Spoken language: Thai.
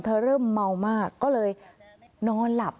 เริ่มเมามากก็เลยนอนหลับ